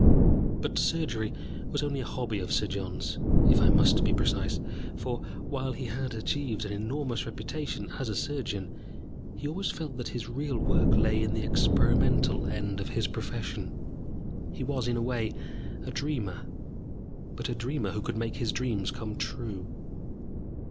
But surgery was only a hobby of Sir John's, if I must be precise, for, while he had achieved an enormous reputation as a surgeon, he always felt that his real work lay in the experimental end of his profession. He was, in a way, a dreamer, but a dreamer who could make his dreams come true.